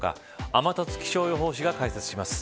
天達気象予報士が解説します。